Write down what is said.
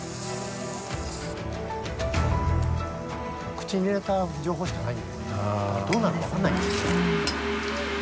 口に入れた情報しかないんでねどうなるか分かんない。